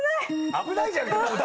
「危ない」じゃない。